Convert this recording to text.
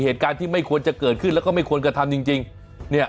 เหตุการณ์ที่ไม่ควรจะเกิดขึ้นแล้วก็ไม่ควรกระทำจริงจริงเนี่ย